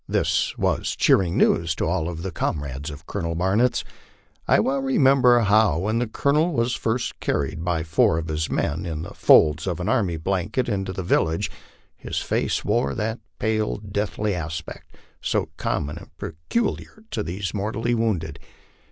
This was cheering news to all the comrades of Colonel Barnitz. I well remember how, when the Colonel was first carried by four of his men, in the folds of an army blanket, into the vil lage, his face wore that pale deathly aspect so common and peculiar to those mortally wounded.